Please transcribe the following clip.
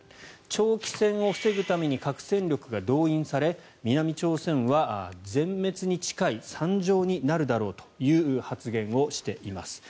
長期戦を防ぐために核戦力が動員され南朝鮮は全滅に近い惨状になるだろうという発言をしています。